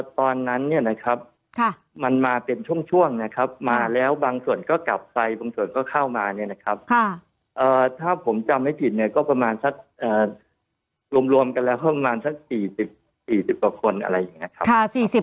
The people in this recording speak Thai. ตอนนั้นเนี่ยนะครับมันมาเป็นช่วงนะครับมาแล้วบางส่วนก็กลับไปบางส่วนก็เข้ามาเนี่ยนะครับถ้าผมจำไม่ผิดเนี่ยก็ประมาณสักรวมกันแล้วประมาณสัก๔๐กว่าคนอะไรอย่างนี้ครับ